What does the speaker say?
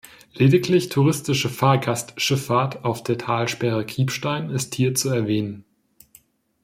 Lediglich touristische Fahrgastschifffahrt auf der Talsperre Kriebstein ist hier zu erwähnen.